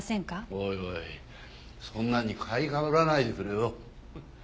おいおいそんなに買いかぶらないでくれよ。